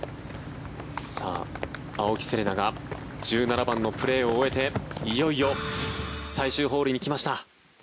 さあ、青木瀬令奈が１７番のプレーを終えていよいよ最終ホールに来ました。